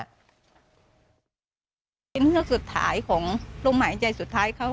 อันขึ้นที่สุดท้ายของลงหมายใจสุดท้ายเขา